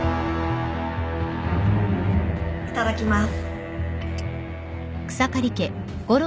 いただきます。